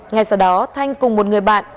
ngay sau đó thanh cùng một người bạn